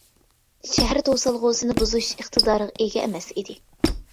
شەھەر توسالغۇسىنى بۇزۇش ئىقتىدارىغا ئىگە ئەمەس ئىدى.